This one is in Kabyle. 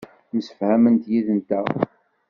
Msefhament yid-nteɣ.